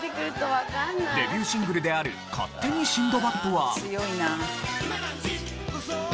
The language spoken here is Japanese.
デビューシングルである『勝手にシンドバッド』は。